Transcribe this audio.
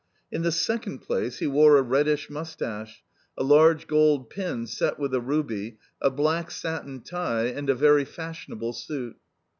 In the second place, he wore a reddish moustache, a large gold pin set with a ruby, a black satin tie, and a very fashionable suit.